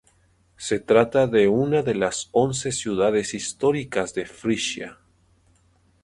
Se trata de una de las once ciudades históricas de Frisia.